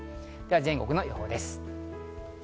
では全国の予報です。